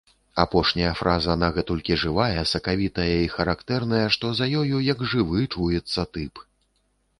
Апошняя фраза нагэтулькі жывая, сакавітая і характэрная, што за ёю, як жывы, чуецца тып.